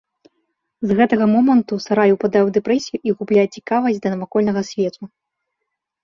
З гэтага моманту сарай упадае ў дэпрэсію і губляе цікавасць да навакольнага свету.